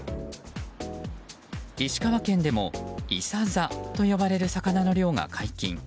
石川県でもイサザと呼ばれる魚の漁が解禁。